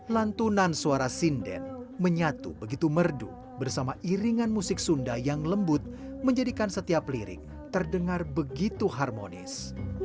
lantunan suara sinden menyatu begitu merdu bersama iringan musik sunda yang lembut menjadikan setiap lirik terdengar begitu harmonis